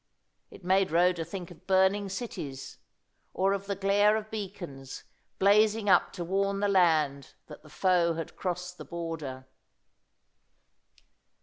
It made Rhoda think of burning cities, or of the glare of beacons, blazing up to warn the land that the foe had crossed the border.